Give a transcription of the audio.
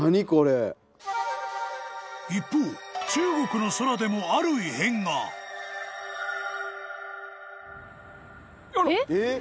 ［一方中国の空でもある異変が］えっ！